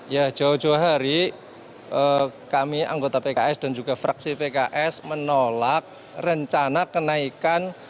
ya jauh jauh hari kami anggota pks dan juga fraksi pks menolak rencana kenaikan